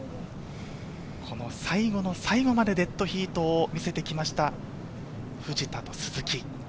この最後の最後まで、デッドヒート見せてきました、藤田と鈴木。